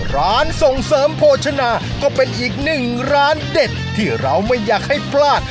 ร้านส่งเสริมโภชนาก็เป็นอีกหนึ่งร้านเด็ดที่เราไม่อยากให้พลาด